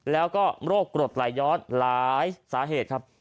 แล้วก็โรคกรดหลายย้อนหลายสาเหตุ